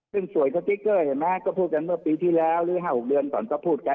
ซึ่งสวยสติ๊กเกอร์เห็นไหมก็พูดกันเมื่อปีที่แล้วหรือ๕๖เดือนก่อนก็พูดกัน